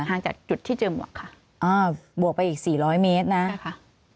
ห่างจากจุดที่เจอหมวกค่ะอ่าบวกไปอีกสี่ร้อยเมตรนะใช่ค่ะ